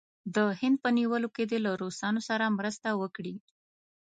د هند په نیولو کې دې له روسانو سره مرسته وکړي.